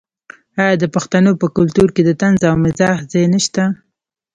آیا د پښتنو په کلتور کې د طنز او مزاح ځای نشته؟